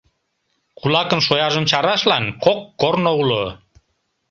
Кулакын шояжым чарашлан кок корно уло.